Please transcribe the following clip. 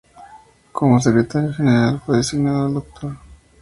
Como Secretario General fue designado el Dr.